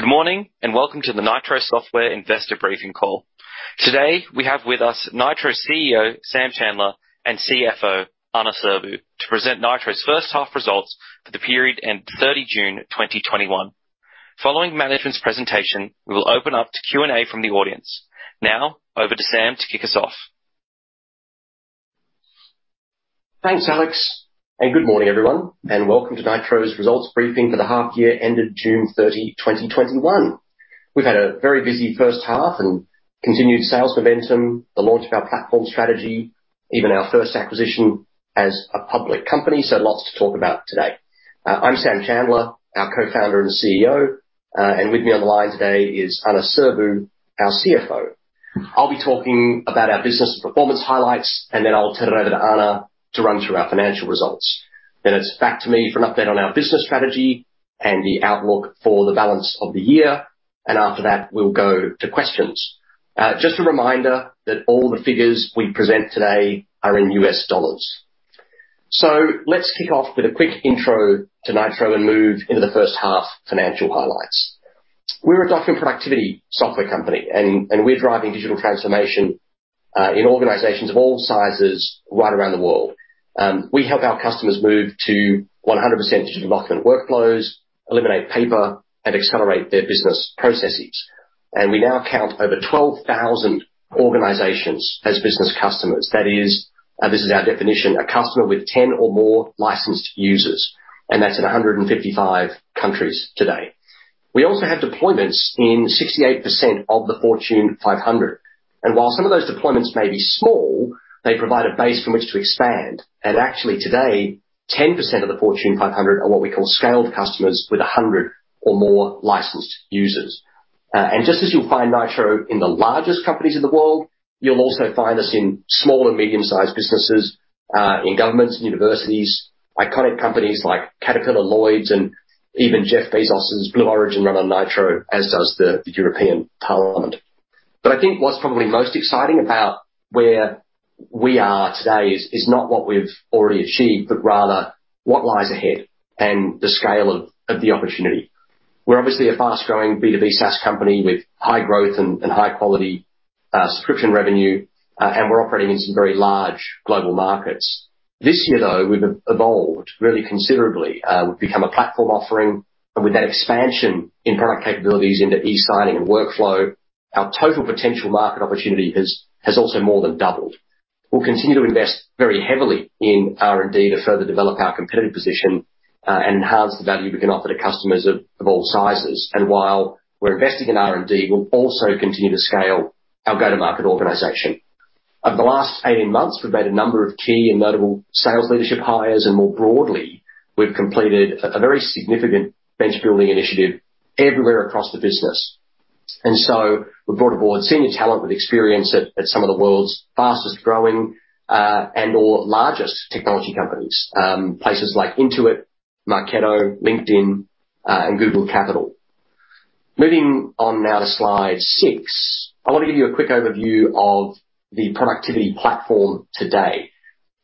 Good morning, and welcome to the Nitro Software investor briefing call. Today, we have with us Nitro's CEO, Sam Chandler, and CFO, Ana Sirbu, to present Nitro's first half results for the period ending 30 June 2021. Following management's presentation, we will open up to Q&A from the audience. Now, over to Sam to kick us off. Thanks, Alex. Good morning, everyone, and welcome to Nitro's results briefing for the half year ended June 30, 2021. We've had a very busy first half, continued sales momentum, the launch of our platform strategy, even our first acquisition as a public company. Lots to talk about today. I'm Sam Chandler, our Co-Founder and CEO. With me on the line today is Ana Sirbu, our CFO. I'll be talking about our business performance highlights, then I'll turn it over to Ana to run through our financial results. It's back to me for an update on our business strategy and the outlook for the balance of the year. After that, we'll go to questions. Just a reminder that all the figures we present today are in US dollars. Let's kick off with a quick intro to Nitro and move into the first half financial highlights. We're a document productivity software company, and we're driving digital transformation in organizations of all sizes right around the world. We help our customers move to 100% digital document workflows, eliminate paper, and accelerate their business processes. We now count over 12,000 organizations as business customers. That is, this is our definition, a customer with 10 or more licensed users, and that's in 155 countries today. We also have deployments in 68% of the Fortune 500. While some of those deployments may be small, they provide a base from which to expand. Actually today, 10% of the Fortune 500 are what we call scaled customers with 100 or more licensed users. Just as you'll find Nitro in the largest companies in the world, you'll also find us in small and medium-sized businesses, in governments and universities. Iconic companies like Caterpillar, Lloyd's, and even Jeff Bezos's Blue Origin run on Nitro, as does the European Parliament. I think what's probably most exciting about where we are today is not what we've already achieved, but rather what lies ahead and the scale of the opportunity. We're obviously a fast-growing B2B SaaS company with high growth and high-quality subscription revenue. We're operating in some very large global markets. This year, though, we've evolved really considerably. We've become a platform offering. With that expansion in product capabilities into e-signing and workflow, our total potential market opportunity has also more than doubled. We'll continue to invest very heavily in R&D to further develop our competitive position and enhance the value we can offer to customers of all sizes. While we're investing in R&D, we'll also continue to scale our go-to-market organization. Over the last 18 months, we've made a number of key and notable sales leadership hires, and more broadly, we've completed a very significant bench-building initiative everywhere across the business. We've brought aboard senior talent with experience at some of the world's fastest-growing, and/or largest technology companies. Places like Intuit, Marketo, LinkedIn, and CapitalG. Moving on now to slide 6. I want to give you a quick overview of the Nitro Productivity Platform today.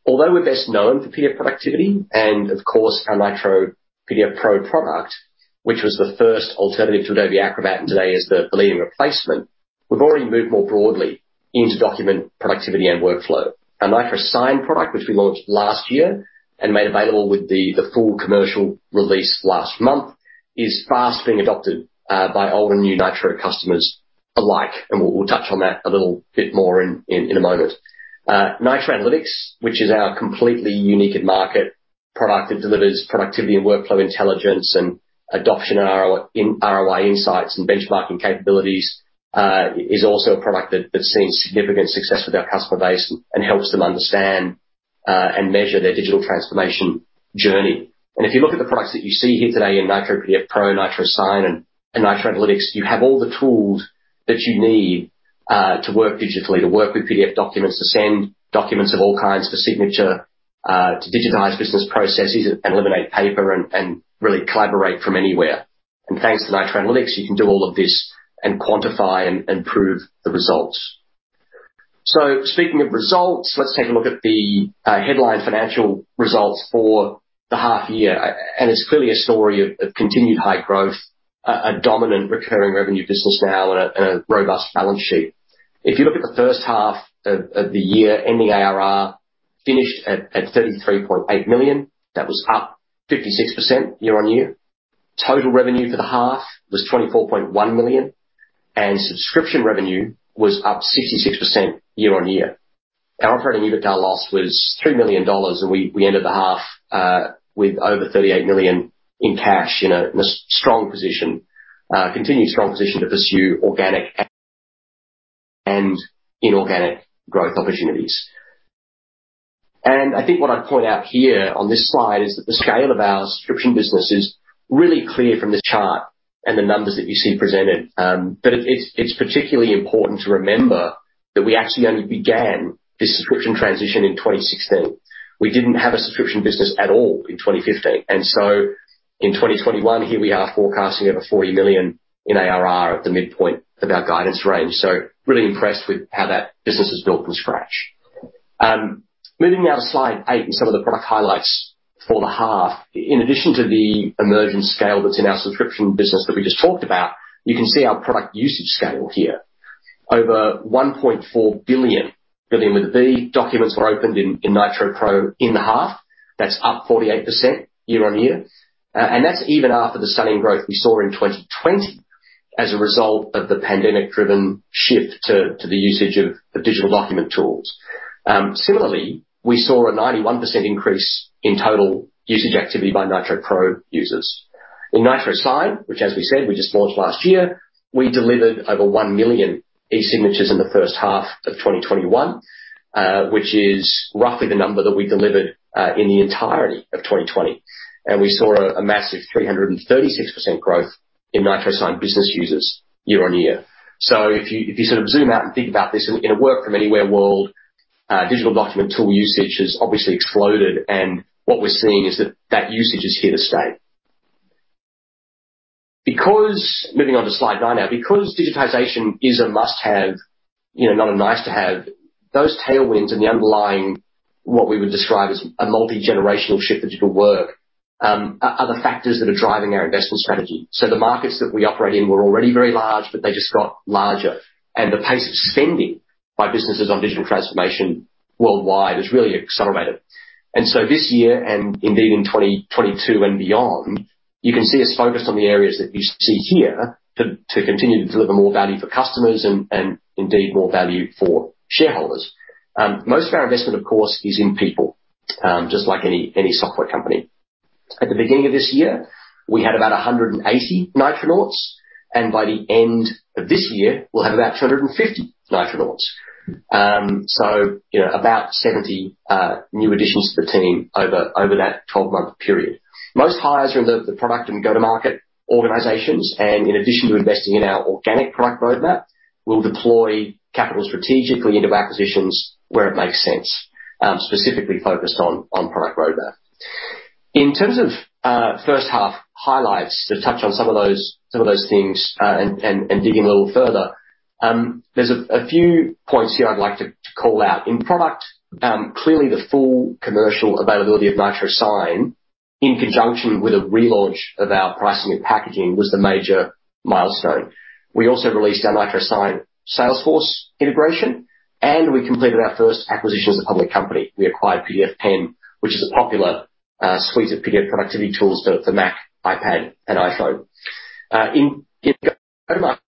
Although we're best known for PDF productivity and, of course, our Nitro PDF Pro product, which was the first alternative to Adobe Acrobat, and today is the leading replacement, we've already moved more broadly into document productivity and workflow. Our Nitro Sign product, which we launched last year and made available with the full commercial release last month, is fast being adopted by old and new Nitro customers alike. We'll touch on that a little bit more in a moment. Nitro Analytics, which is our completely unique in-market product that delivers productivity and workflow intelligence and adoption and ROI insights and benchmarking capabilities, is also a product that's seen significant success with our customer base and helps them understand and measure their digital transformation journey. If you look at the products that you see here today in Nitro PDF Pro, Nitro Sign, and Nitro Analytics, you have all the tools that you need to work digitally, to work with PDF documents, to send documents of all kinds for signature, to digitize business processes and eliminate paper and really collaborate from anywhere. Thanks to Nitro Analytics, you can do all of this and quantify and prove the results. Speaking of results, let's take a look at the headline financial results for the half year. It's clearly a story of continued high growth, a dominant recurring revenue business now, and a robust balance sheet. If you look at the first half of the year, ending ARR finished at $33.8 million. That was up 56% year-on-year. Total revenue for the half was $24.1 million, and subscription revenue was up 66% year-on-year. Our operating EBITDA loss was $3 million, and we ended the half with over $38 million in cash in a strong position, continued strong position to pursue organic and inorganic growth opportunities. I think what I'd point out here on this slide is that the scale of our subscription business is really clear from this chart and the numbers that you see presented. It's particularly important to remember that we actually only began this subscription transition in 2016. We didn't have a subscription business at all in 2015. In 2021, here we are forecasting over $40 million in ARR at the midpoint of our guidance range. Really impressed with how that business was built from scratch. Moving now to slide eight and some of the product highlights for the half. In addition to the emerging scale that's in our subscription business that we just talked about, you can see our product usage scale here. Over 1.4 billion documents were opened in Nitro Pro in the half. That's up 48% year-on-year. That's even after the stunning growth we saw in 2020 as a result of the pandemic-driven shift to the usage of the digital document tools. Similarly, we saw a 91% increase in total usage activity by Nitro Pro users. In Nitro Sign, which as we said, we just launched last year, we delivered over 1 million e-signatures in the first half of 2021, which is roughly the number that we delivered in the entirety of 2020. We saw a massive 336% growth in Nitro Sign business users year on year. If you sort of zoom out and think about this in a work from anywhere world, digital document tool usage has obviously exploded, and what we're seeing is that usage is here to stay. Moving on to slide nine now. Because digitization is a must-have, not a nice-to-have, those tailwinds and the underlying, what we would describe as a multi-generational shift to digital work, are the factors that are driving our investment strategy. The markets that we operate in were already very large, but they just got larger. The pace of spending by businesses on digital transformation worldwide has really accelerated. This year, and indeed in 2022 and beyond, you can see us focused on the areas that you see here to continue to deliver more value for customers and indeed more value for shareholders. Most of our investment, of course, is in people, just like any software company. At the beginning of this year, we had about 180 Nitronauts, and by the end of this year, we'll have about 250 Nitronauts. About 70 new additions to the team over that 12-month period. Most hires are in the product and go-to-market organizations, and in addition to investing in our organic product roadmap, we'll deploy capital strategically into acquisitions where it makes sense, specifically focused on product roadmap. In terms of first half highlights, to touch on some of those things and dig in a little further. There's a few points here I'd like to call out. In product, clearly the full commercial availability of Nitro Sign in conjunction with a relaunch of our pricing and packaging was the major milestone. We also released our Nitro Sign Salesforce integration, and we completed our first acquisition as a public company. We acquired PDFpen, which is a popular suite of PDF productivity tools for Mac, iPad, and iPhone. In go-to-market,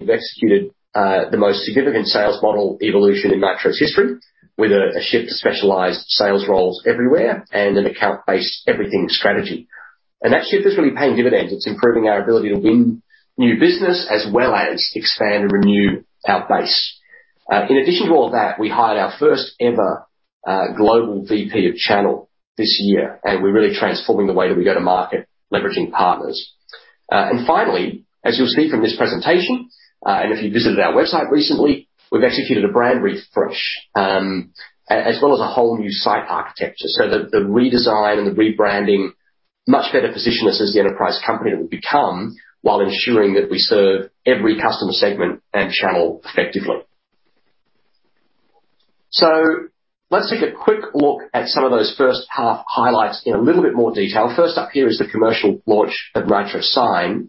we've executed the most significant sales model evolution in Nitro's history, with a shift to specialized sales roles everywhere and an account-based everything strategy. That shift is really paying dividends. It's improving our ability to win new business, as well as expand and renew our base. In addition to all of that, we hired our first ever Global VP of Channel this year, and we're really transforming the way that we go to market leveraging partners. Finally, as you'll see from this presentation, if you visited our website recently, we've executed a brand refresh, as well as a whole new site architecture. The redesign and the rebranding much better position us as the enterprise company that we've become while ensuring that we serve every customer segment and channel effectively. Let's take a quick look at some of those H1 highlights in a little bit more detail. First up here is the commercial launch of Nitro Sign.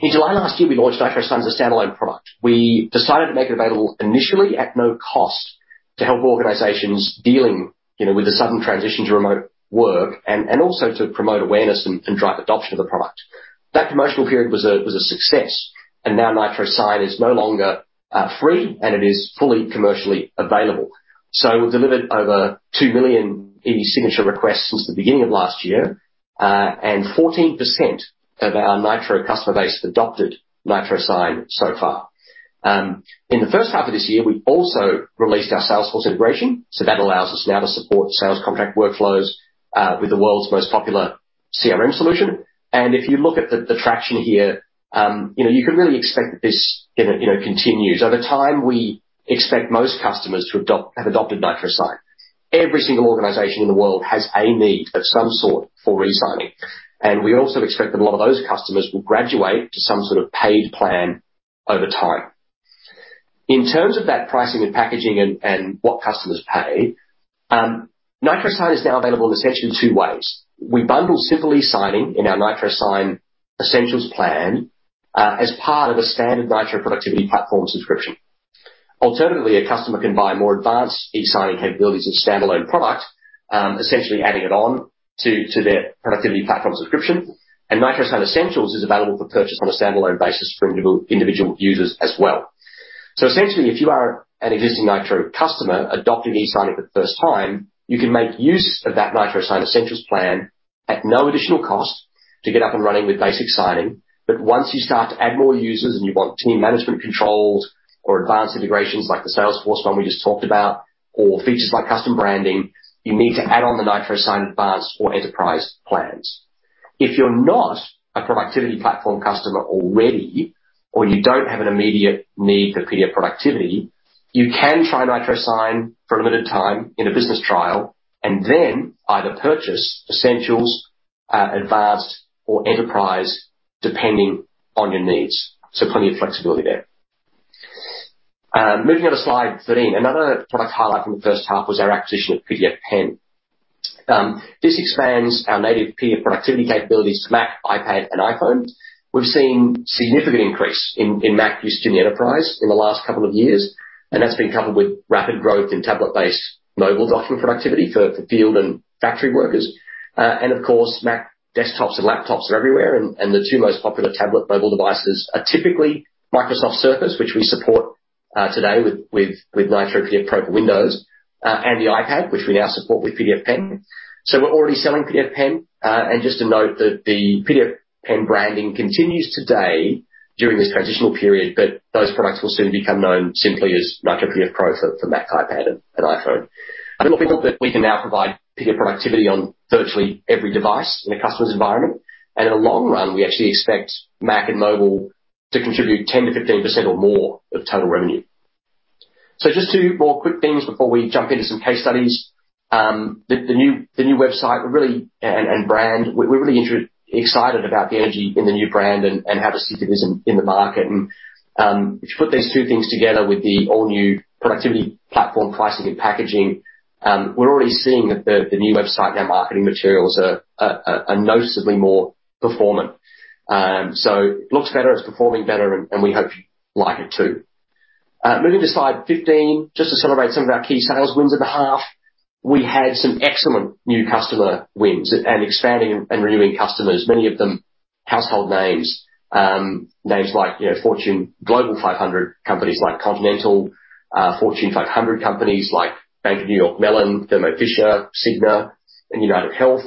In July last year, we launched Nitro Sign as a standalone product. We decided to make it available initially at no cost to help organizations dealing with the sudden transition to remote work and also to promote awareness and drive adoption of the product. That promotional period was a success, and now Nitro Sign is no longer free, and it is fully commercially available. We've delivered over 2 million e-signature requests since the beginning of last year. 14% of our Nitro customer base adopted Nitro Sign so far. In the first half of this year, we also released our Salesforce integration. That allows us now to support sales contract workflows, with the world's most popular CRM solution. If you look at the traction here, you can really expect that this continues. Over time, we expect most customers to have adopted Nitro Sign. Every single organization in the world has a need of some sort for e-signing. We also expect that a lot of those customers will graduate to some sort of paid plan over time. In terms of that pricing and packaging and what customers pay, Nitro Sign is now available, essentially, in two ways. We bundle simple e-signing in our Nitro Sign Essentials plan as part of a standard Nitro Productivity Platform subscription. Alternatively, a customer can buy more advanced e-signing capabilities as a standalone product, essentially adding it on to their Productivity Platform subscription. Nitro Sign Essentials is available for purchase on a standalone basis for individual users as well. Essentially, if you are an existing Nitro customer adopting e-signing for the first time, you can make use of that Nitro Sign Essentials plan at no additional cost to get up and running with basic signing. Once you start to add more users and you want team management controls or advanced integrations like the Salesforce one we just talked about, or features like custom branding, you need to add on the Nitro Sign Advanced or Enterprise plans. If you're not a Productivity Platform customer already, or you don't have an immediate need for PDF productivity, you can try Nitro Sign for a limited time in a business trial, and then either purchase Essentials, Advanced, or enterprise, depending on your needs. Plenty of flexibility there. Moving on to slide 13. Another product highlight from the first half was our acquisition of PDFpen. This expands our native PDF productivity capabilities to Mac, iPad, and iPhone. We've seen significant increase in Mac use in the enterprise in the last couple of years, and that's been coupled with rapid growth in tablet-based mobile document productivity for field and factory workers. Mac desktops and laptops are everywhere, and the two most popular tablet mobile devices are typically Microsoft Surface, which we support today with Nitro PDF Pro for Windows, and the iPad, which we now support with PDFpen. We're already selling PDFpen. The PDFpen branding continues today during this transitional period, but those products will soon become known simply as Nitro PDF Pro for Mac, iPad, and iPhone. We think that we can now provide PDF productivity on virtually every device in a customer's environment. In the long run, we actually expect Mac and mobile to contribute 10%-15% or more of total revenue. Just two more quick things before we jump into some case studies. The new website and brand, we're really excited about the energy in the new brand and how this fits in the market. If you put these two things together with the all-new Nitro Productivity Platform pricing and packaging, we're already seeing that the new website and our marketing materials are noticeably more performant. It looks better, it's performing better, and we hope you like it too. Moving to slide 15, just to celebrate some of our key sales wins at the half. We had some excellent new customer wins and expanding and renewing customers, many of them household names. Names like Fortune Global 500 companies like Continental, Fortune 500 companies like Bank of New York Mellon, Thermo Fisher, Cigna, and UnitedHealth.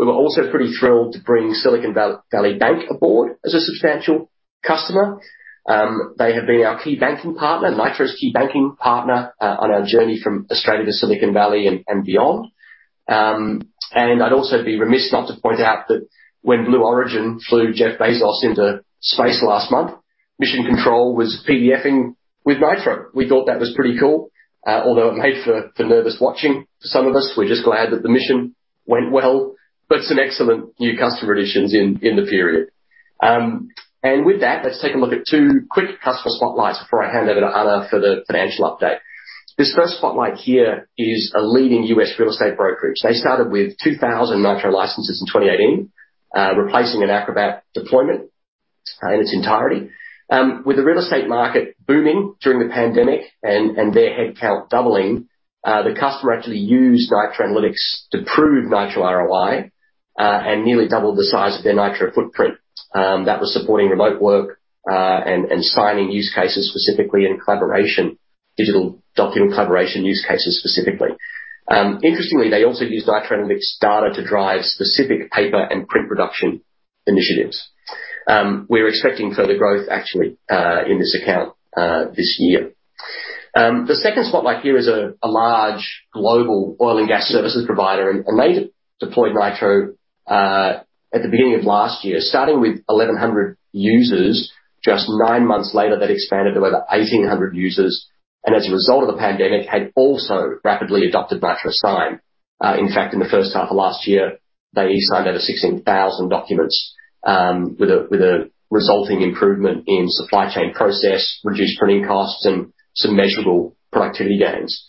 We were also pretty thrilled to bring Silicon Valley Bank aboard as a substantial customer. They have been our key banking partner, Nitro's key banking partner on our journey from Australia to Silicon Valley and beyond. I'd also be remiss not to point out that when Blue Origin flew Jeff Bezos into space last month, mission control was PDFing with Nitro. We thought that was pretty cool. It made for nervous watching for some of us. We're just glad that the mission went well. Some excellent new customer additions in the period. With that, let's take a look at two quick customer spotlights before I hand over to Ana Sirbu for the financial update. This first spotlight here is a leading U.S. real estate brokerage. They started with 2,000 Nitro licenses in 2018, replacing an Acrobat deployment in its entirety. With the real estate market booming during the pandemic and their head count doubling, the customer actually used Nitro Analytics to prove Nitro ROI, and nearly doubled the size of their Nitro footprint. That was supporting remote work, and signing use cases specifically in collaboration, digital document collaboration use cases specifically. Interestingly, they also used Nitro Analytics data to drive specific paper and print production initiatives. We're expecting further growth actually, in this account this year. The second spotlight here is a large global oil and gas services provider, and they deployed Nitro at the beginning of last year, starting with 1,100 users. Just nine months later, that expanded to over 1,800 users. As a result of the pandemic, had also rapidly adopted Nitro Sign. In fact, in the first half of last year, they eSigned over 16,000 documents, with a resulting improvement in supply chain process, reduced printing costs, and some measurable productivity gains.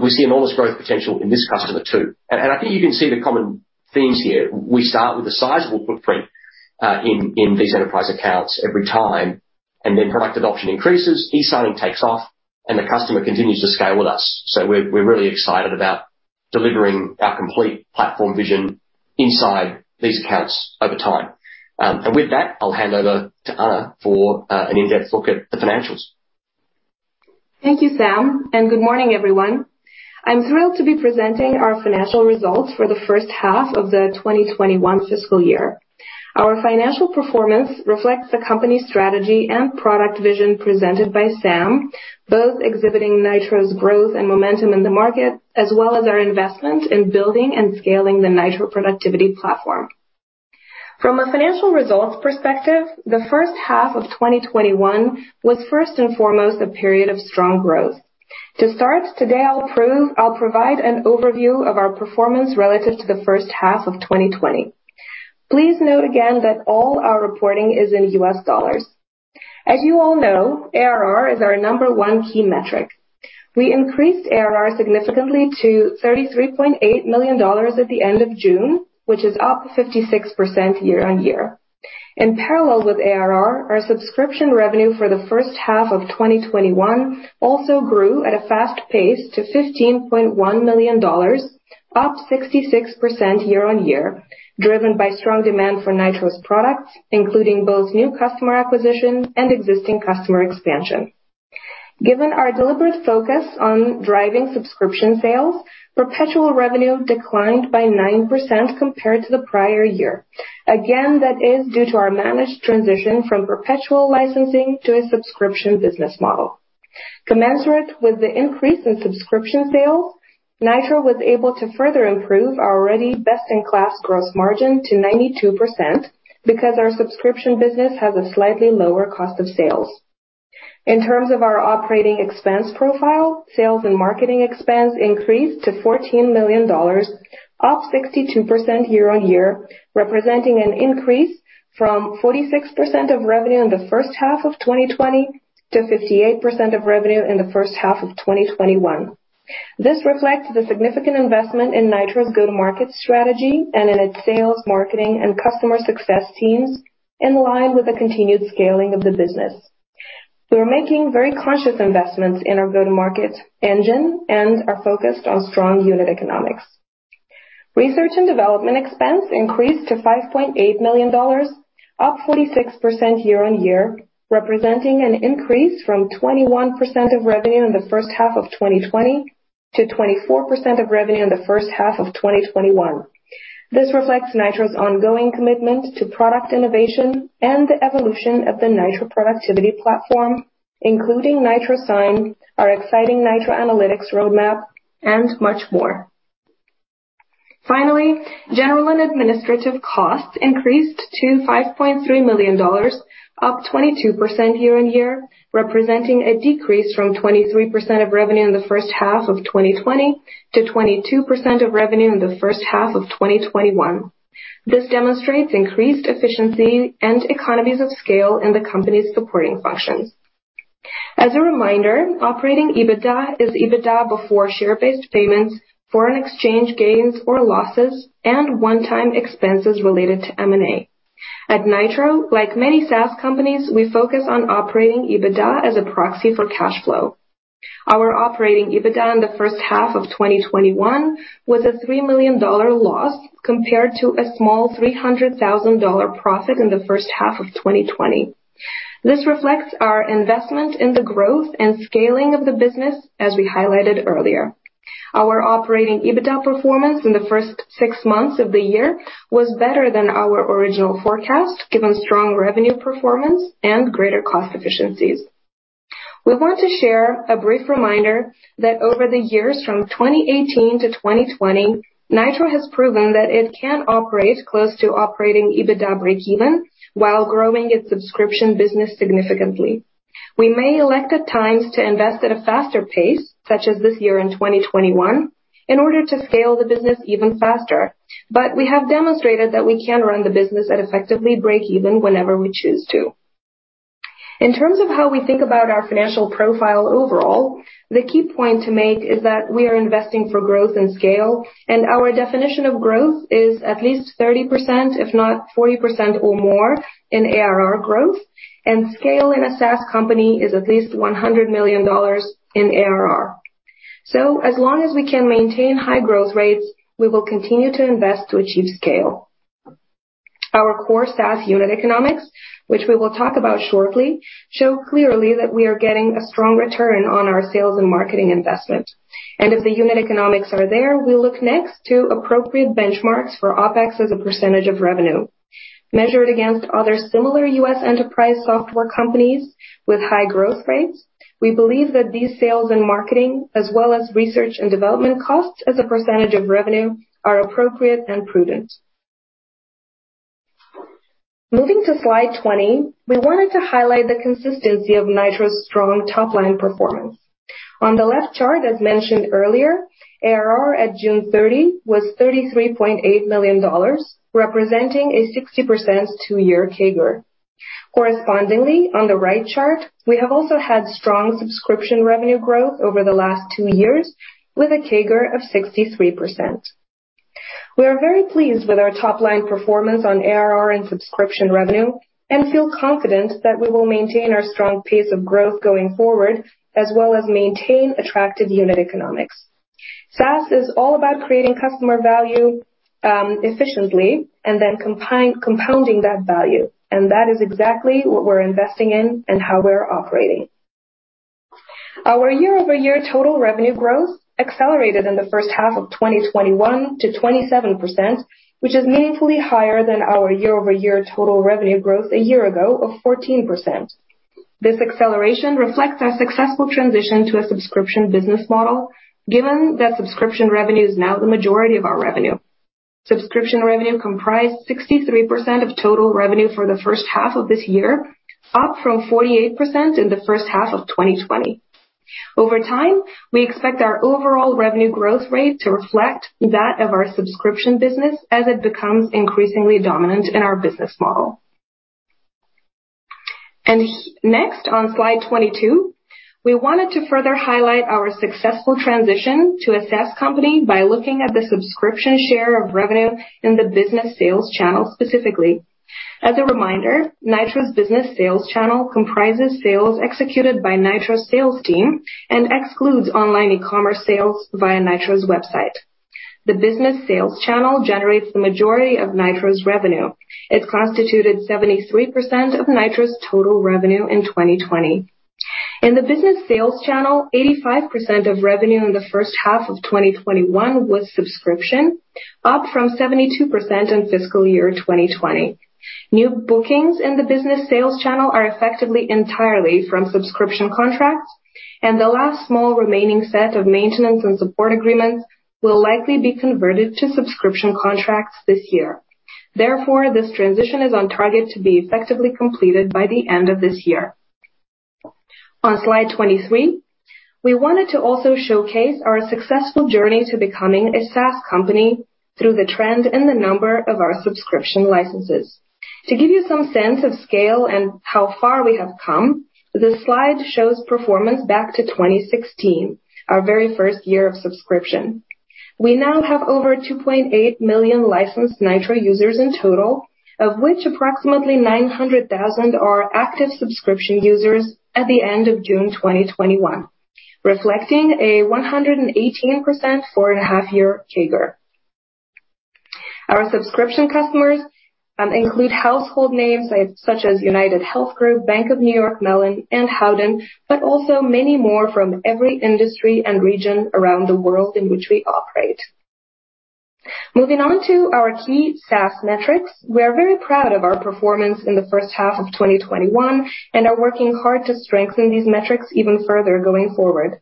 We see enormous growth potential in this customer, too. I think you can see the common themes here. We start with a sizable footprint in these enterprise accounts every time, and then product adoption increases, eSigning takes off, and the customer continues to scale with us. We're really excited about delivering our complete platform vision inside these accounts over time. With that, I'll hand over to Ana for an in-depth look at the financials. Thank you, Sam, and good morning, everyone. I'm thrilled to be presenting our financial results for the first half of the 2021 fiscal year. Our financial performance reflects the company's strategy and product vision presented by Sam, both exhibiting Nitro's growth and momentum in the market, as well as our investment in building and scaling the Nitro Productivity Platform. From a financial results perspective, the first half of 2021 was first and foremost a period of strong growth. Today I'll provide an overview of our performance relative to the first half of 2020. Please note again that all our reporting is in U.S. dollars. As you all know, ARR is our number 1 key metric. We increased ARR significantly to $33.8 million at the end of June, which is up 56% year on year. In parallel with ARR, our subscription revenue for the first half of 2021 also grew at a fast pace to $15.1 million, up 66% year-on-year, driven by strong demand for Nitro's products, including both new customer acquisition and existing customer expansion. Given our deliberate focus on driving subscription sales, perpetual revenue declined by 9% compared to the prior year. Again, that is due to our managed transition from perpetual licensing to a subscription business model. Commensurate with the increase in subscription sales, Nitro was able to further improve our already best-in-class gross margin to 92%, because our subscription business has a slightly lower cost of sales. In terms of our operating expense profile, sales and marketing expense increased to $14 million, up 62% year-on-year, representing an increase from 46% of revenue in the first half of 2020 to 58% of revenue in the first half of 2021. This reflects the significant investment in Nitro's go-to-market strategy and in its sales, marketing, and customer success teams, in line with the continued scaling of the business. We're making very conscious investments in our go-to-market engine and are focused on strong unit economics. Research and development expense increased to $5.8 million, up 46% year-on-year, representing an increase from 21% of revenue in the first half of 2020 to 24% of revenue in the first half of 2021. This reflects Nitro's ongoing commitment to product innovation and the evolution of the Nitro Productivity Platform, including Nitro Sign, our exciting Nitro Analytics roadmap, and much more. Finally, general and administrative costs increased to $5.3 million, up 22% year-on-year, representing a decrease from 23% of revenue in the first half of 2020 to 22% of revenue in the first half of 2021. This demonstrates increased efficiency and economies of scale in the company's supporting functions. As a reminder, operating EBITDA is EBITDA before share-based payments, foreign exchange gains or losses, and one-time expenses related to M&A. At Nitro, like many SaaS companies, we focus on operating EBITDA as a proxy for cash flow. Our operating EBITDA in the first half of 2021 was a $3 million loss compared to a small $300,000 profit in the first half of 2020. This reflects our investment in the growth and scaling of the business, as we highlighted earlier. Our operating EBITDA performance in the first six months of the year was better than our original forecast, given strong revenue performance and greater cost efficiencies. We want to share a brief reminder that over the years from 2018 to 2020, Nitro has proven that it can operate close to operating EBITDA breakeven while growing its subscription business significantly. We may elect at times to invest at a faster pace, such as this year in 2021, in order to scale the business even faster. We have demonstrated that we can run the business at effectively breakeven whenever we choose to. In terms of how we think about our financial profile overall, the key point to make is that we are investing for growth and scale, and our definition of growth is at least 30%, if not 40% or more in ARR growth, and scale in a SaaS company is at least $100 million in ARR. As long as we can maintain high growth rates, we will continue to invest to achieve scale. Our core SaaS unit economics, which we will talk about shortly, show clearly that we are getting a strong return on our sales and marketing investment. If the unit economics are there, we look next to appropriate benchmarks for OPEX as a percentage of revenue. Measured against other similar U.S. enterprise software companies with high growth rates, we believe that these sales and marketing, as well as research and development costs as a percentage of revenue, are appropriate and prudent. Moving to slide 20, we wanted to highlight the consistency of Nitro's strong top-line performance. On the left chart, as mentioned earlier, ARR at June 30 was $33.8 million, representing a 60% two-year CAGR. Correspondingly, on the right chart, we have also had strong subscription revenue growth over the last two years with a CAGR of 63%. We are very pleased with our top-line performance on ARR and subscription revenue and feel confident that we will maintain our strong pace of growth going forward, as well as maintain attractive unit economics. SaaS is all about creating customer value efficiently and then compounding that value, and that is exactly what we're investing in and how we're operating. Our year-over-year total revenue growth accelerated in the first half of 2021 to 27%, which is meaningfully higher than our year-over-year total revenue growth a year ago of 14%. This acceleration reflects our successful transition to a subscription business model, given that subscription revenue is now the majority of our revenue. Subscription revenue comprised 63% of total revenue for the first half of this year, up from 48% in the first half of 2020. Over time, we expect our overall revenue growth rate to reflect that of our subscription business as it becomes increasingly dominant in our business model. Next, on slide 22, we wanted to further highlight our successful transition to a SaaS company by looking at the subscription share of revenue in the business sales channel specifically. As a reminder, Nitro's business sales channel comprises sales executed by Nitro sales team and excludes online e-commerce sales via Nitro's website. The business sales channel generates the majority of Nitro's revenue. It constituted 73% of Nitro's total revenue in 2020. In the business sales channel, 85% of revenue in the first half of 2021 was subscription, up from 72% in fiscal year 2020. New bookings in the business sales channel are effectively entirely from subscription contracts, and the last small remaining set of maintenance and support agreements will likely be converted to subscription contracts this year. Therefore, this transition is on target to be effectively completed by the end of this year. On slide 23, we wanted to also showcase our successful journey to becoming a SaaS company through the trend in the number of our subscription licenses. To give you some sense of scale and how far we have come, this slide shows performance back to 2016, our very first year of subscription. We now have over 2.8 million licensed Nitro users in total, of which approximately 900,000 are active subscription users at the end of June 2021, reflecting a 118% four-and-a-half year CAGR. Our subscription customers include household names such as UnitedHealth Group, Bank of New York Mellon, and Howden, but also many more from every industry and region around the world in which we operate. Moving on to our key SaaS metrics. We are very proud of our performance in the first half of 2021 and are working hard to strengthen these metrics even further going forward.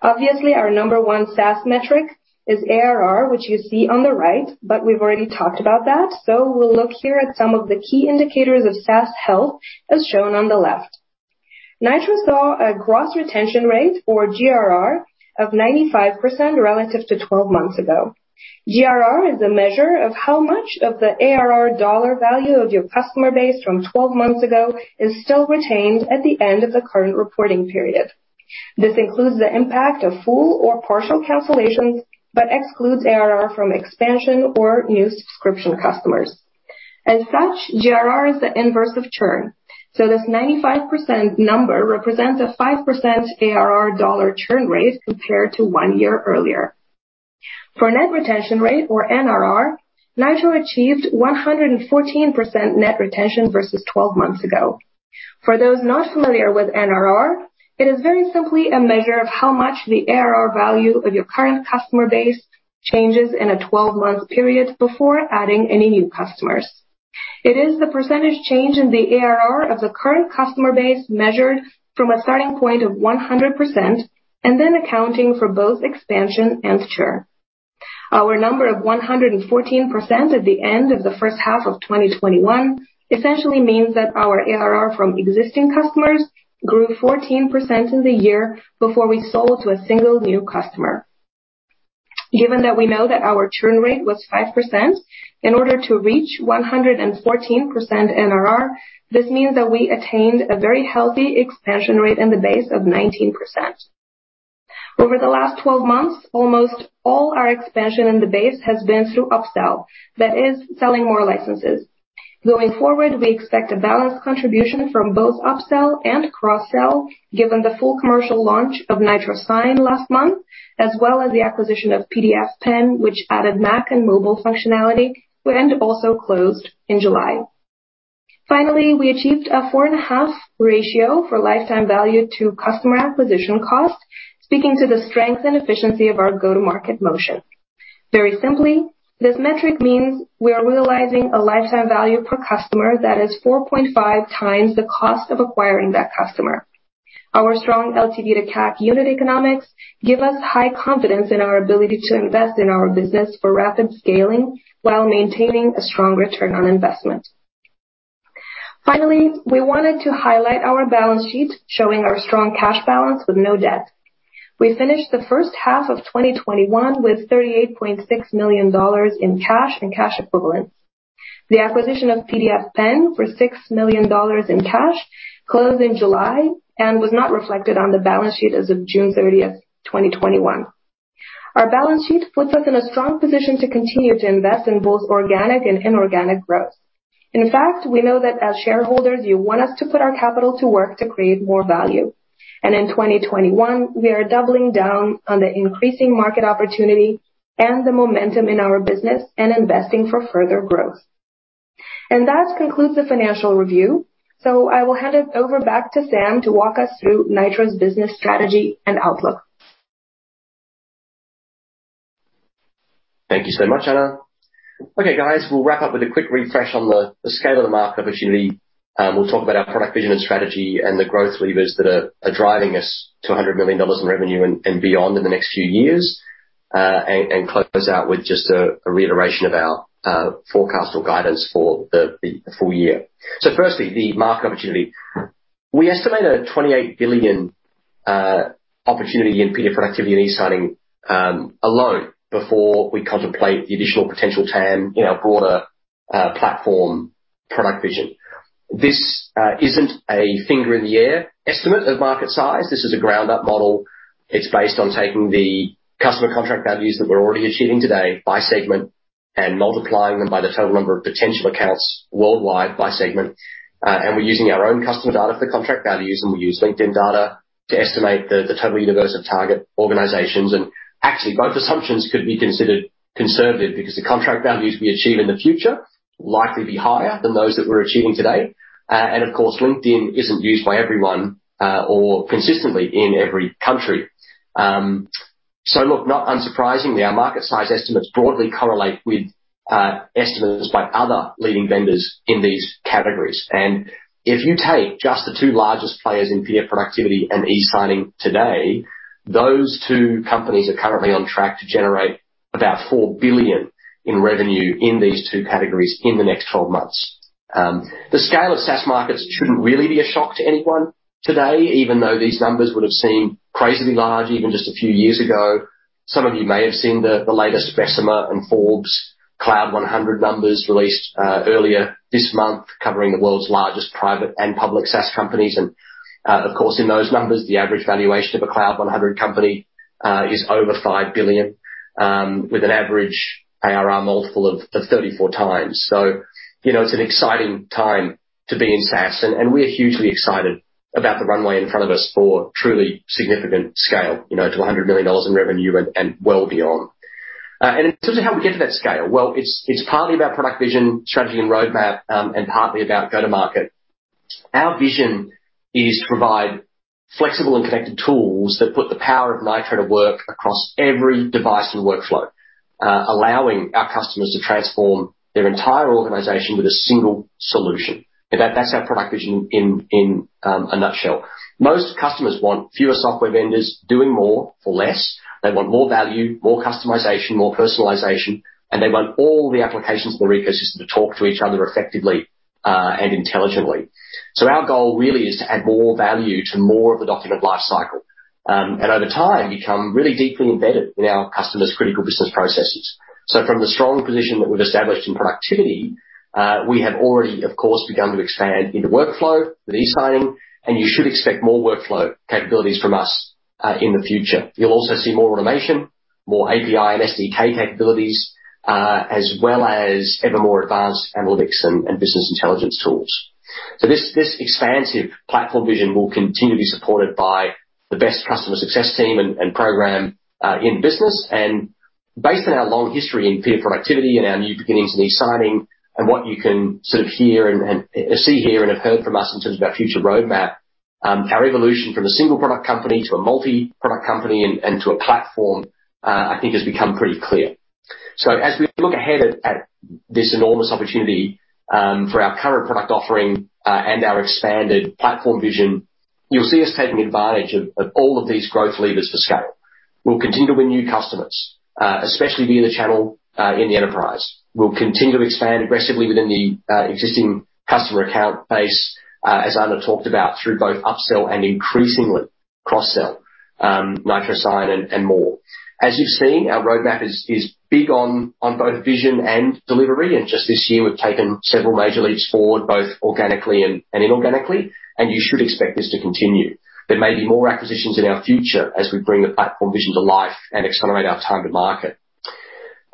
Obviously, our number one SaaS metric is ARR, which you see on the right, but we've already talked about that, so we'll look here at some of the key indicators of SaaS health, as shown on the left. Nitro saw a gross retention rate, or GRR, of 95% relative to 12 months ago. GRR is a measure of how much of the ARR dollar value of your customer base from 12 months ago is still retained at the end of the current reporting period. This includes the impact of full or partial cancellations, but excludes ARR from expansion or new subscription customers. GRR is the inverse of churn, so this 95% number represents a 5% ARR dollar churn rate compared to one year earlier. For net retention rate, or NRR, Nitro achieved 114% net retention versus 12 months ago. For those not familiar with NRR, it is very simply a measure of how much the ARR value of your current customer base changes in a 12-month period before adding any new customers. It is the % change in the ARR of the current customer base measured from a starting point of 100%, and then accounting for both expansion and churn. Our number of 114% at the end of the first half of 2021 essentially means that our ARR from existing customers grew 14% in the year before we sold to a single new customer. Given that we know that our churn rate was 5%, in order to reach 114% NRR, this means that we attained a very healthy expansion rate in the base of 19%. Over the last 12 months, almost all our expansion in the base has been through upsell. That is, selling more licenses. Going forward, we expect a balanced contribution from both upsell and cross-sell given the full commercial launch of Nitro Sign last month, as well as the acquisition of PDFPen, which added Mac and mobile functionality and also closed in July. We achieved a 4.5 ratio for lifetime value to customer acquisition cost, speaking to the strength and efficiency of our go-to-market motion. Very simply, this metric means we are realizing a lifetime value per customer that is 4.5x the cost of acquiring that customer. Our strong LTV to CAC unit economics give us high confidence in our ability to invest in our business for rapid scaling while maintaining a strong ROI. We wanted to highlight our balance sheet showing our strong cash balance with no debt. We finished the first half of 2021 with $38.6 million in cash and cash equivalents. The acquisition of PDFpen for $6 million in cash closed in July and was not reflected on the balance sheet as of June 30, 2021. Our balance sheet puts us in a strong position to continue to invest in both organic and inorganic growth. We know that as shareholders, you want us to put our capital to work to create more value. In 2021, we are doubling down on the increasing market opportunity and the momentum in our business and investing for further growth. That concludes the financial review. I will hand it over back to Sam to walk us through Nitro's business strategy and outlook. Thank you so much, Ana. Guys, we'll wrap up with a quick refresh on the scale of the market opportunity. We'll talk about our product vision and strategy and the growth levers that are driving us to $100 million in revenue and beyond in the next few years. Close out with just a reiteration of our forecast or guidance for the full year. Firstly, the market opportunity. We estimate a $28 billion opportunity in PDF productivity and e-signing alone before we contemplate the additional potential TAM in our broader platform product vision. This isn't a finger in the air estimate of market size. This is a ground up model. It's based on taking the customer contract values that we're already achieving today by segment and multiplying them by the total number of potential accounts worldwide by segment. We're using our own customer data for the contract values, and we use LinkedIn data to estimate the total universe of target organizations. Actually, both assumptions could be considered conservative because the contract values we achieve in the future will likely be higher than those that we're achieving today. Of course, LinkedIn isn't used by everyone, or consistently in every country. Look, not unsurprisingly, our market size estimates broadly correlate with estimates by other leading vendors in these categories. If you take just the two largest players in PDF productivity and e-signing today. Those two companies are currently on track to generate about $4 billion in revenue in these two categories in the next 12 months. The scale of SaaS markets shouldn't really be a shock to anyone today, even though these numbers would've seemed crazily large even just a few years ago. Some of you may have seen the latest Bessemer and Forbes Cloud 100 numbers released earlier this month, covering the world's largest private and public SaaS companies. Of course, in those numbers, the average valuation of a Cloud 100 company is over $5 billion, with an average ARR multiple of 34x. It's an exciting time to be in SaaS, and we are hugely excited about the runway in front of us for truly significant scale to $100 million in revenue and well beyond. In terms of how we get to that scale, well, it's partly about product vision, strategy, and roadmap, and partly about go-to-market. Our vision is to provide flexible and connected tools that put the power of Nitro to work across every device and workflow, allowing our customers to transform their entire organization with a single solution. That's our product vision in a nutshell. Most customers want fewer software vendors doing more for less. They want more value, more customization, more personalization, and they want all the applications or ecosystem to talk to each other effectively and intelligently. Our goal really is to add more value to more of the document lifecycle, and over time, become really deeply embedded in our customers' critical business processes. From the strong position that we've established in productivity, we have already, of course, begun to expand into workflow with e-signing, and you should expect more workflow capabilities from us in the future. You'll also see more automation, more API and SDK capabilities, as well as ever more advanced analytics and business intelligence tools. This expansive platform vision will continue to be supported by the best customer success team and program in business. Based on our long history in PDF productivity and our new beginnings in e-signing and what you can sort of hear and see here and have heard from us in terms of our future roadmap, our evolution from a single product company to a multi-product company and to a platform, I think has become pretty clear. As we look ahead at this enormous opportunity for our current product offering and our expanded platform vision, you'll see us taking advantage of all of these growth levers for scale. We'll continue to win new customers, especially via the channel in the enterprise. We'll continue to expand aggressively within the existing customer account base, as Ana talked about, through both upsell and increasingly cross-sell, Nitro Sign and more. As you've seen, our roadmap is big on both vision and delivery, and just this year, we've taken several major leaps forward, both organically and inorganically, and you should expect this to continue. There may be more acquisitions in our future as we bring the platform vision to life and accelerate our time to market.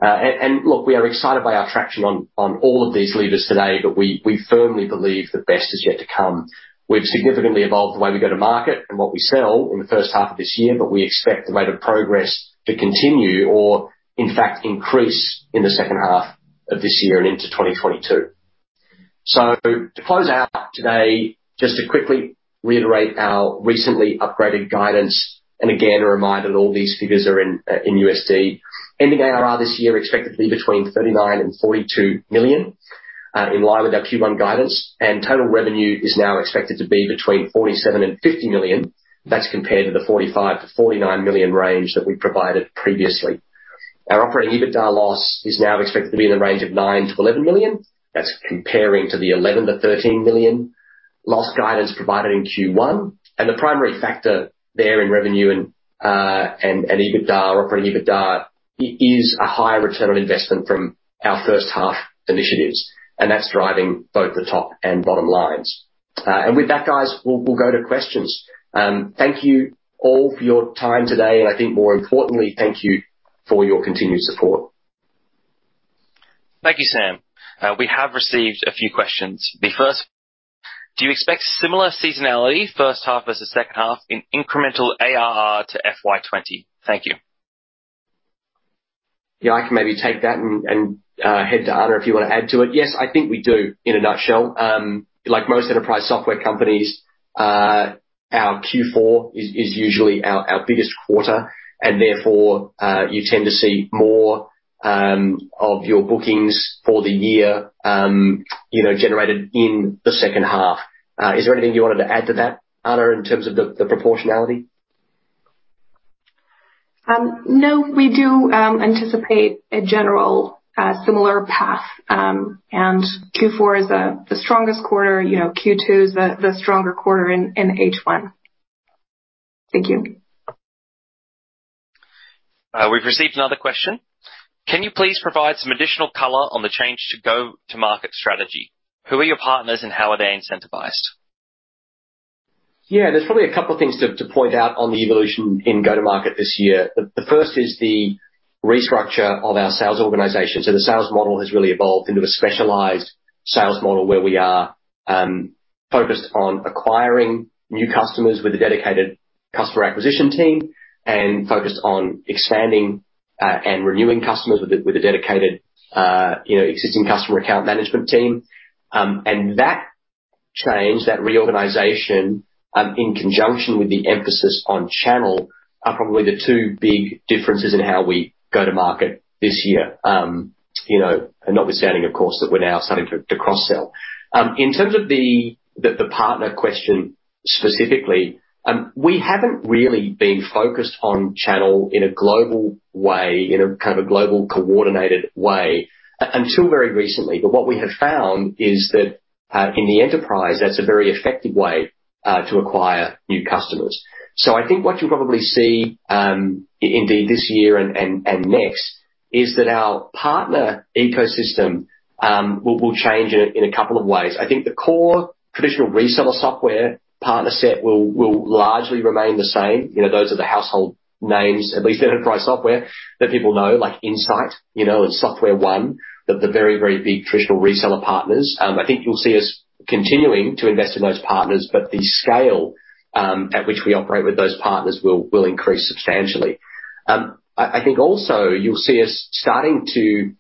Look, we are excited by our traction on all of these levers today, but we firmly believe the best is yet to come. We've significantly evolved the way we go to market and what we sell in the first half of this year, but we expect the rate of progress to continue or in fact increase in the second half of this year and into 2022. To close out today, just to quickly reiterate our recently upgraded guidance, and again, a reminder that all these figures are in USD. Ending ARR this year expected to be between $39 million and $42 million, in line with our Q1 guidance. Total revenue is now expected to be between $47 million and $50 million. That's compared to the $45 million-$49 million range that we provided previously. Our operating EBITDA loss is now expected to be in the range of $9 million-$11 million. That's comparing to the $11 million-$13 million loss guidance provided in Q1. The primary factor there in revenue and EBITDA, operating EBITDA, is a higher return on investment from our first half initiatives, and that's driving both the top and bottom lines. With that, guys, we'll go to questions. Thank you all for your time today, and I think more importantly, thank you for your continued support. Thank you, Sam. We have received a few questions. The first, do you expect similar seasonality first half versus second half in incremental ARR to FY 2020? Thank you. Yeah, I can maybe take that and head to Ana if you want to add to it. Yes, I think we do, in a nutshell. Like most enterprise software companies, our Q4 is usually our biggest quarter. Therefore, you tend to see more of your bookings for the year generated in the second half. Is there anything you wanted to add to that, Ana, in terms of the proportionality? No. We do anticipate a general similar path, and Q4 is the strongest quarter. Q2 is the stronger quarter in H1. Thank you. We've received another question. Can you please provide some additional color on the change to go-to-market strategy? Who are your partners and how are they incentivized? Yeah. There's probably a couple of things to point out on the evolution in go-to-market this year. The first is the restructure of our sales organization. The sales model has really evolved into a specialized sales model where we are focused on acquiring new customers with a dedicated customer acquisition team and focused on expanding and renewing customers with a dedicated existing customer account management team. That change, that reorganization, in conjunction with the emphasis on channel, are probably the two big differences in how we go-to-market this year. Notwithstanding, of course, that we're now starting to cross-sell. In terms of the partner question. Specifically, we haven't really been focused on channel in a global way, in a kind of global coordinated way until very recently. What we have found is that in the enterprise, that's a very effective way to acquire new customers. I think what you'll probably see indeed this year and next is that our partner ecosystem will change in a couple of ways. I think the core traditional reseller software partner set will largely remain the same. Those are the household names, at least in enterprise software that people know, like Insight, and SoftwareOne, the very, very big traditional reseller partners. I think you'll see us continuing to invest in those partners, but the scale at which we operate with those partners will increase substantially. I think also you'll see us starting to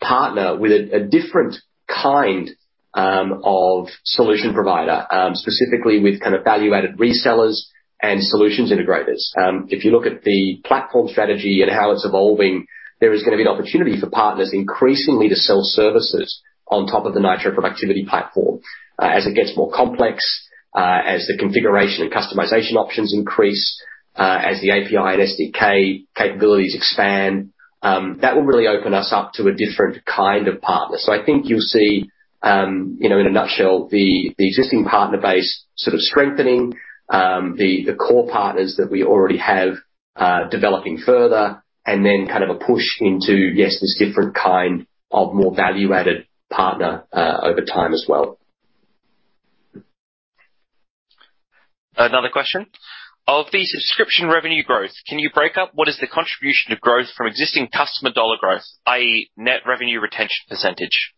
partner with a different kind of solution provider, specifically with value-added resellers and solutions integrators. If you look at the platform strategy and how it's evolving, there is going to be an opportunity for partners increasingly to sell services on top of the Nitro Productivity Platform. As it gets more complex, as the configuration and customization options increase, as the API and SDK capabilities expand. That will really open us up to a different kind of partner. I think you'll see, in a nutshell, the existing partner base sort of strengthening, the core partners that we already have developing further, and then kind of a push into, yes, this different kind of more value-added partner over time as well. Another question. Of the subscription revenue growth, can you break up what is the contribution of growth from existing customer dollar growth, i.e., net revenue retention percentage?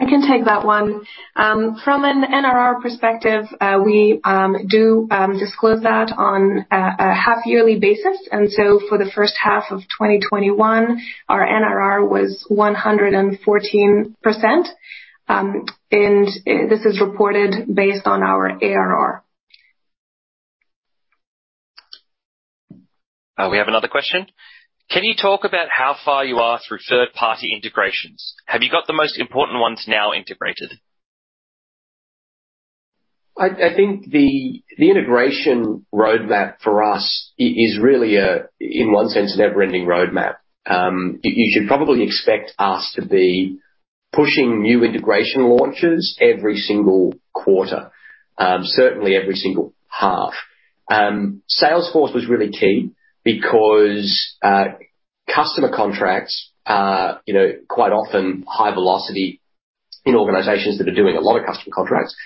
I can take that one. From an NRR perspective, we do disclose that on a half-yearly basis. For the first half of 2021, our NRR was 114%. This is reported based on our ARR. We have another question. Can you talk about how far you are through third-party integrations? Have you got the most important ones now integrated? I think the integration roadmap for us is really a, in one sense, a never-ending roadmap. You should probably expect us to be pushing new integration launches every single quarter, certainly every single half. Salesforce was really key because customer contracts are quite often high velocity in organizations that are doing a lot of customer contracts,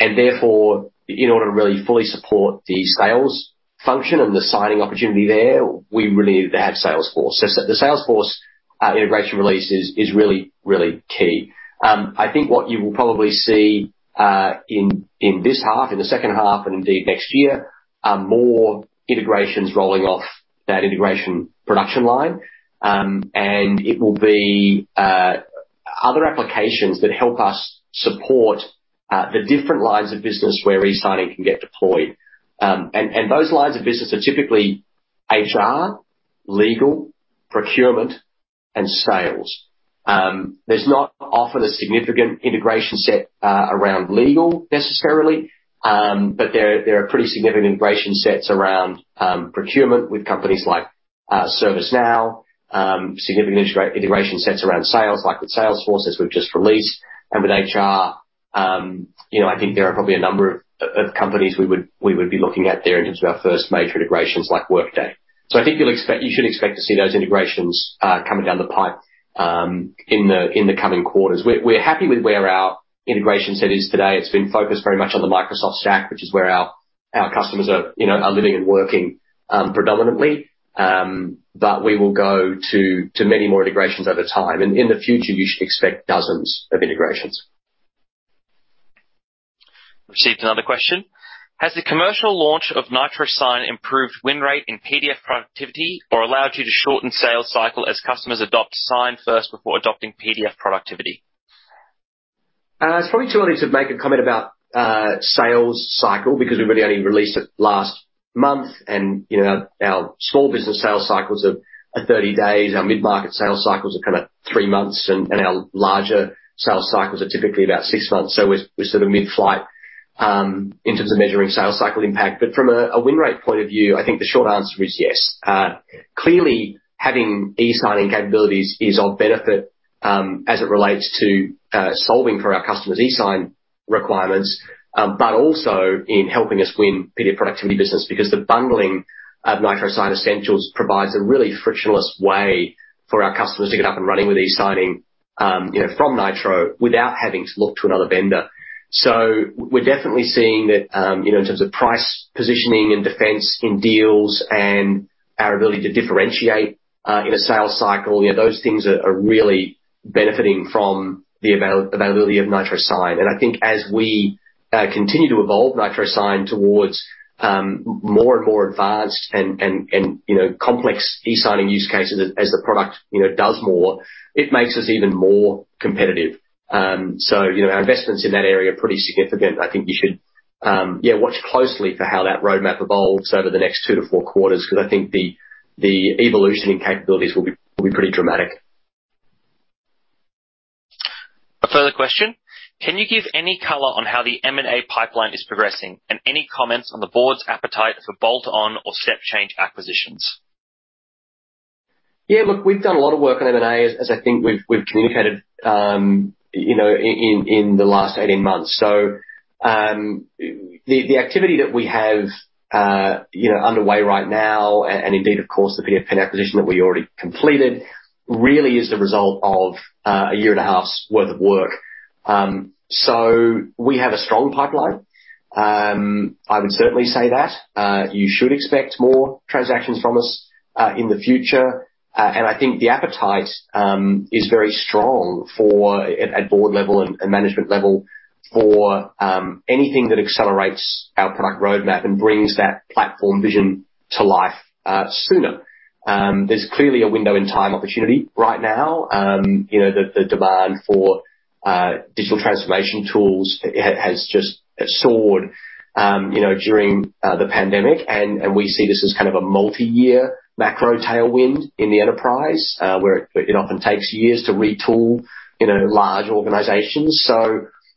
therefore, in order to really fully support the sales function and the signing opportunity there, we really need to have Salesforce. The Salesforce integration release is really, really key. I think what you will probably see in this half, in the second half, and indeed next year, are more integrations rolling off that integration production line. It will be other applications that help us support the different lines of business where e-signing can get deployed. Those lines of business are typically HR, legal, procurement, and sales. There's not often a significant integration set around legal necessarily, but there are pretty significant integration sets around procurement with companies like ServiceNow. Significant integration sets around sales, like with Salesforce, as we've just released. With HR, I think there are probably a number of companies we would be looking at there in terms of our first major integrations, like Workday. I think you should expect to see those integrations coming down the pipe in the coming quarters. We're happy with where our integration set is today. It's been focused very much on the Microsoft stack, which is where our customers are living and working predominantly. We will go to many more integrations over time. In the future, you should expect dozens of integrations. Received another question. Has the commercial launch of Nitro Sign improved win rate in PDF productivity or allowed you to shorten sales cycle as customers adopt Sign first before adopting PDF productivity? It's probably too early to make a comment about sales cycle because we've only released it last month, and our small business sales cycles are 30 days. Our mid-market sales cycles are kind of three months, and our larger sales cycles are typically about 6 months. We're sort of mid-flight in terms of measuring sales cycle impact. From a win rate point of view, I think the short answer is yes. Clearly, having e-signing capabilities is of benefit as it relates to solving for our customers' e-sign requirements. Also in helping us win PDF productivity business, because the bundling of Nitro Sign Essentials provides a really frictionless way for our customers to get up and running with e-signing from Nitro without having to look to another vendor. We're definitely seeing that in terms of price positioning and defense in deals and our ability to differentiate in a sales cycle, those things are really benefiting from the availability of Nitro Sign. I think as we continue to evolve Nitro Sign towards more and more advanced and complex e-signing use cases as the product does more, it makes us even more competitive. Our investments in that area are pretty significant. I think you should watch closely for how that roadmap evolves over the next two to four quarters, because I think the evolution in capabilities will be pretty dramatic. A further question. Can you give any color on how the M&A pipeline is progressing, and any comments on the board's appetite for bolt-on or step-change acquisitions? Yeah. Look, we've done a lot of work on M&A, as I think we've communicated in the last 18 months. The activity that we have underway right now, and indeed, of course, the PDFpen acquisition that we already completed, really is the result of a year and a half's worth of work. We have a strong pipeline. I would certainly say that. You should expect more transactions from us in the future. I think the appetite is very strong at board level and management level for anything that accelerates our product roadmap and brings that platform vision to life sooner. There's clearly a window in time opportunity right now. The demand for digital transformation tools has just soared during the pandemic. We see this as kind of a multi-year macro tailwind in the enterprise, where it often takes years to retool large organizations.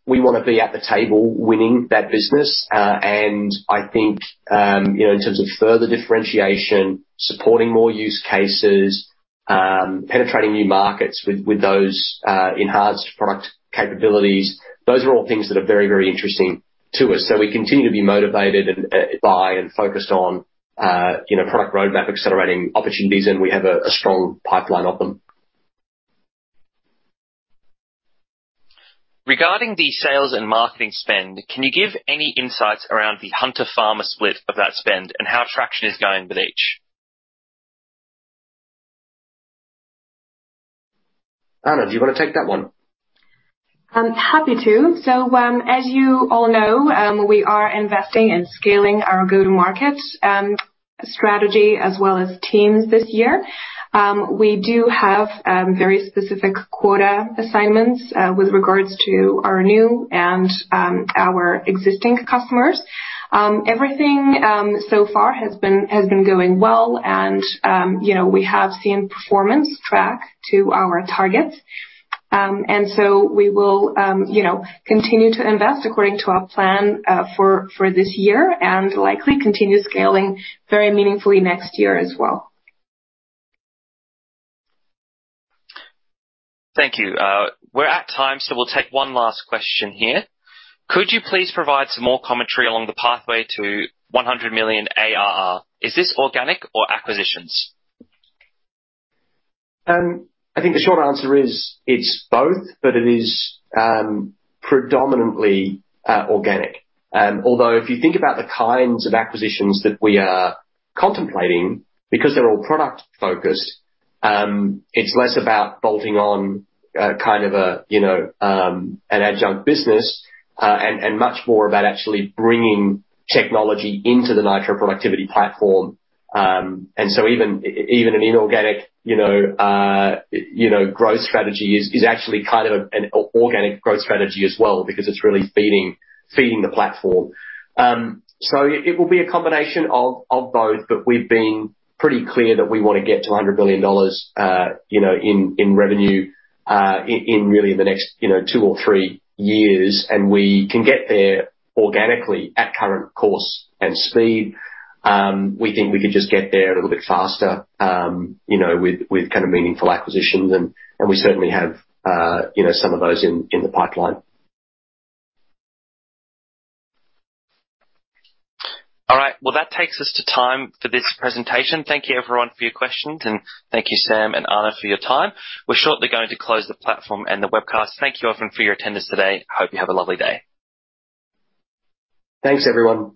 We want to be at the table winning that business. I think in terms of further differentiation, supporting more use cases, penetrating new markets with those enhanced product capabilities, those are all things that are very, very interesting to us. We continue to be motivated by and focused on product roadmap accelerating opportunities, and we have a strong pipeline of them. Regarding the sales and marketing spend, can you give any insights around the hunter-farmer split of that spend and how traction is going with each? Ana, do you want to take that one? Happy to. As you all know, we are investing in scaling our go-to-market strategy as well as teams this year. We do have very specific quota assignments with regards to our new and our existing customers. Everything so far has been going well and we have seen performance track to our targets. We will continue to invest according to our plan for this year and likely continue scaling very meaningfully next year as well. Thank you. We're at time. We'll take one last question here. Could you please provide some more commentary along the pathway to $100 million ARR? Is this organic or acquisitions? I think the short answer is it's both, but it is predominantly organic. Although, if you think about the kinds of acquisitions that we are contemplating, because they're all product focused, it's less about bolting on an adjunct business, and much more about actually bringing technology into the Nitro Productivity Platform. Even an inorganic growth strategy is actually kind of an organic growth strategy as well because it's really feeding the platform. It will be a combination of both, but we've been pretty clear that we want to get to $100 billion in revenue in really the next two or three years. We can get there organically at current course and speed. We think we can just get there a little bit faster with meaningful acquisitions. We certainly have some of those in the pipeline. All right. Well, that takes us to time for this presentation. Thank you, everyone, for your questions. Thank you, Sam and Ana, for your time. We're shortly going to close the platform and the webcast. Thank you, everyone, for your attendance today. Hope you have a lovely day. Thanks, everyone.